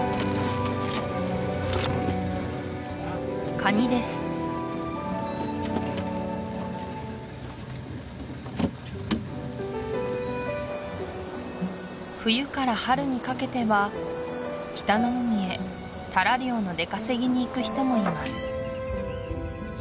カニです冬から春にかけては北の海へタラ漁の出稼ぎに行く人もいます